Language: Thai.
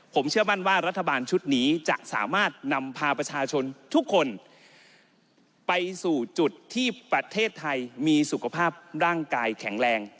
ผมเชื่อมั่นว่ารัฐบาลชุดนี้จะสามารถนำพาประชาชนทุกคนไปสู่จุดที่ประเทศไทยมีสุขภาพร่างกายแข็งแรง